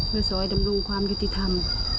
เพื่อสวยดำรุงความยุติธรรม